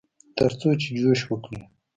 ترڅو چې جوښ وکړي.